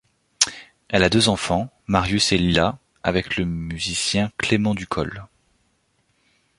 Elle a deux enfants, Marius et Lila, avec le musicien Clément Ducol.